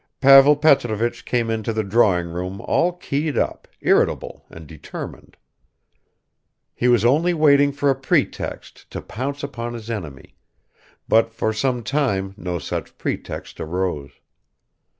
Pavel Petrovich came into the drawing room all keyed up, irritable and determined. He was only waiting for a pretext to pounce upon his enemy, but for some time no such pretext arose.